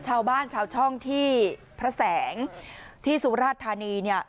ชาวบ้านชาวช่องที่พระแสงที่สุราชธานีเนี่ย